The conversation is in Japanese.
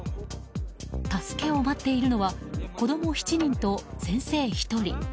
助けを待っているのは子供７人と、先生１人。